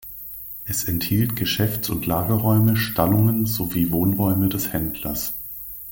Es enthielt Geschäfts- und Lagerräume, Stallungen sowie Wohnräume des Händlers.